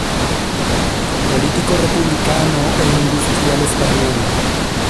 Político republicano e industrial español.